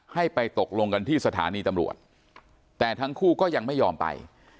ให้ไปตกลงกันที่สถานีตำรวจแต่ทั้งคู่ก็ยังไม่ยอมไป